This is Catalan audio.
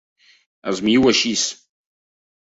És millor així.